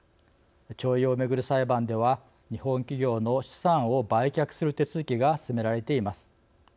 徴用をめぐる裁判では日本企業の資産を売却する手続きが進められています。